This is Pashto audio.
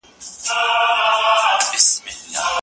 څوک خپله مور نه هېروي.